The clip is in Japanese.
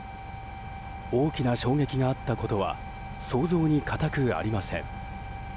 大きな衝撃があったことは想像に難くありません。